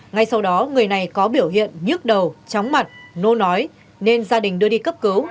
ngay sau đó người này có biểu hiện nhức đầu chóng mặt nô nói nên gia đình đưa đi cấp cứu